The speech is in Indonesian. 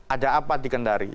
ada apa dikendari